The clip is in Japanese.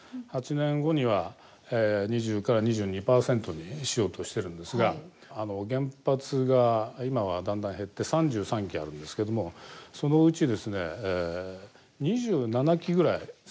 ８年後には２０２２％にしようとしてるんですが原発が今はだんだん減って３３基あるんですけどもそのうちですね２７基ぐらい再稼働しないといけないんですね。